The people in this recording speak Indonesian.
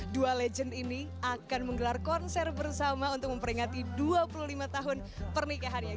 dua ribu sembilan belas dua legend ini akan menggelar konser bersama untuk memperingati dua puluh lima tahun pernikahannya